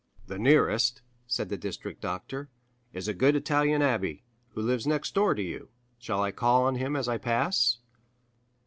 "The nearest," said the district doctor, "is a good Italian abbé, who lives next door to you. Shall I call on him as I pass?"